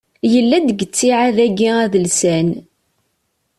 Yella-d deg ttiɛad-agi adelsan.